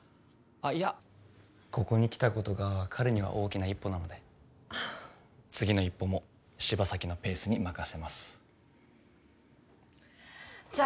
あっいやここに来たことが彼には大きな一歩なので次の一歩も柴咲のペースに任せますじゃあ